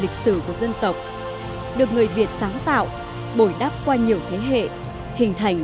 lịch sử của dân tộc được người việt sáng tạo bồi đắp qua nhiều thế hệ hình thành